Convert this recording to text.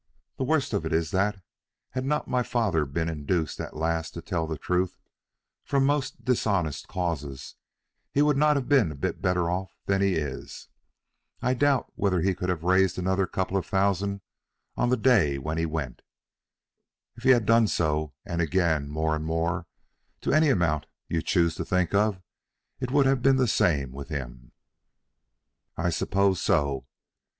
The worst of it is that, had not my father been induced at last to tell the truth, from most dishonest causes, he would not have been a bit better off than he is. I doubt whether he could have raised another couple of thousand on the day when he went. If he had done so then, and again more and more, to any amount you choose to think of, it would have been the same with him." "I suppose so."